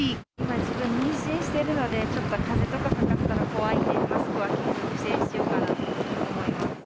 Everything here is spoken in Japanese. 自分、妊娠してるので、ちょっとかぜとかかかったら怖いんで、マスクは継続してしようかなと思います。